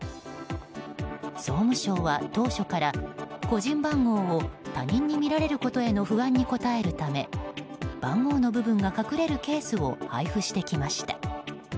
総務省は、当初から個人番号を他人に見られることへの不安に応えるため番号の部分が隠れるケースを配布してきました。